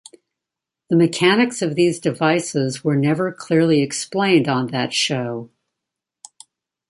The mechanics of these devices were never clearly explained on that show.